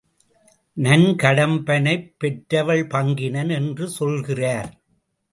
நன் கடம்பனைப் பெற்றவள் பங்கினன் என்று சொல்கிறார்.